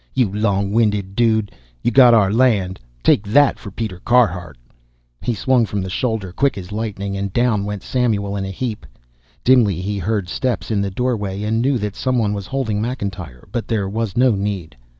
"You long winded dude. You got our land take that for Peter Carhart!" He swung from the shoulder quick as lightning and down went Samuel in a heap. Dimly he heard steps in the doorway and knew that some one was holding McIntyre, but there was no need.